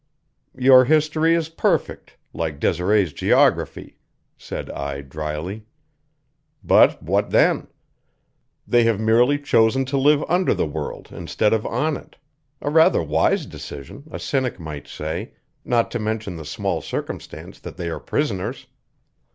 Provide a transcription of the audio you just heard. "Your history is perfect, like Desiree's geography," said I dryly. "But what then? They have merely chosen to live under the world instead of on it; a rather wise decision, a cynic might say not to mention the small circumstance that they are prisoners.